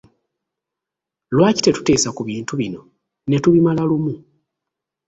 Lwaki tetuteesa ku bintu bino ne tubimala lumu?